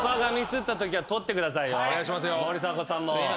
森迫さんも。